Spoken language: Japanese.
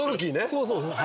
そうそうそう。